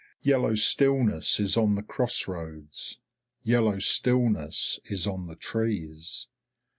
Yellow stillness is on the cross roads, yellow stillness is on the trees.